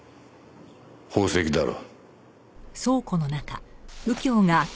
宝石だろ。